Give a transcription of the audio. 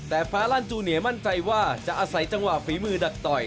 แต่ฟ้าลั่นจูเนียมั่นใจว่าจะอาศัยจังหวะฝีมือดักต่อย